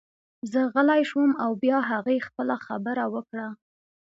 زه غلی شوم او بیا هغې خپله خبره وکړه